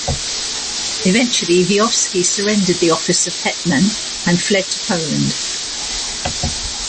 Eventually Vyhovsky surrendered the office of hetman, and fled to Poland.